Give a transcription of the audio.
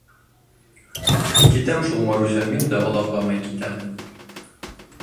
— Китәм шул, Маруся, мин дә оҙаҡламай китәм.